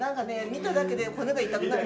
見ただけで骨が痛くなる。